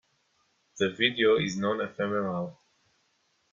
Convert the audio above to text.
The video is non-ephemeral.